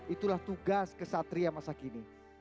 itulah tugas kesatria masa kini